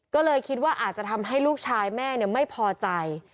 ก็เลยคิดว่าอาจจะทำให้ลูกชายแม่ไม่พอใจ